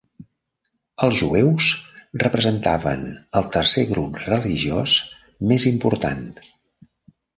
Els jueus representaven el tercer grup religiós més important.